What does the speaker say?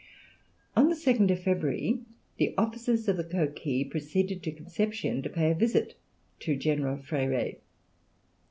On the 2nd February the officers of the Coquille proceeded to Conception, to pay a visit to General Freire.